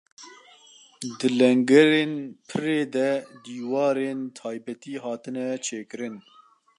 Di lengerên pirê de dîwarên taybetî hatine çêkirin.